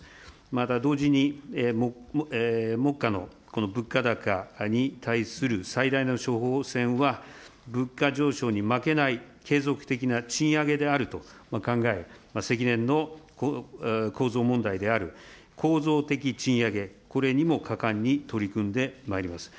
また同時に、目下の物価高に対する最大の処方箋は、物価上昇に負けない継続的な賃上げであると考えて、積年の構造問題である構造的賃上げ、これにも果敢に取り組んでまいります。